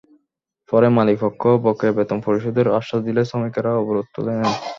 পরে মালিকপক্ষ বকেয়া বেতন পরিশোধের আশ্বাস দিলে শ্রমিকেরা অবরোধ তুলে নেন।